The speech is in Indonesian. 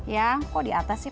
ya kok di atas sih